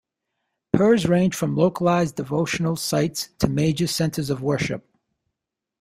Pirs range from localized devotional sites to major centers of worship.